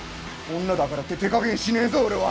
女だからって手加減しねえぞ俺は。